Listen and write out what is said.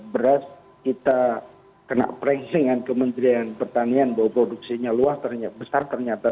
beras kita kena prancing dengan kementerian pertanian bahwa produksinya luas ternyata besar ternyata